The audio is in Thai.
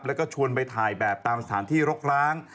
แล้วก็ชวนไปถ่ายแบบตามสถานที่รกร้าง